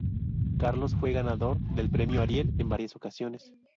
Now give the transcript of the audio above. Carlos fue ganador del Premio Ariel en varias ocasiones.